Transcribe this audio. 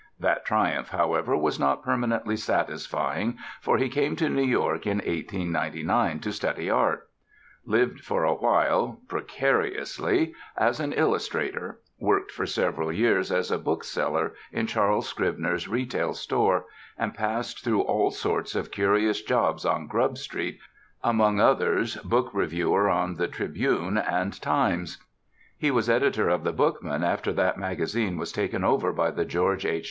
That triumph, however, was not permanently satisfying, for he came to New York in 1899 to study art; lived for a while, precariously, as an illustrator; worked for several years as a bookseller in Charles Scribner's retail store, and passed through all sorts of curious jobs on Grub Street, among others book reviewer on the Tribune and Times. He was editor of The Bookman after that magazine was taken over by the George H.